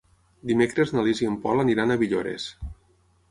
Dimecres na Lis i en Pol aniran a Villores.